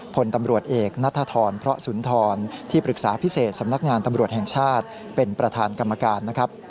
พลตำรวจเอกนัทธรพระสุนทรที่ปรึกษาพิเศษสำนักงานตำรวจแห่งชาติเป็นประธานกรรมการนะครับ